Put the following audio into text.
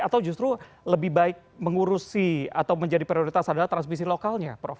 atau justru lebih baik mengurusi atau menjadi prioritas adalah transmisi lokalnya prof